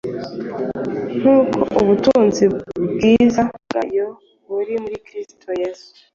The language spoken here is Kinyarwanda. nk’uko ubutunzi bw’ubwiza bwayo buri muri Kristo Yesu.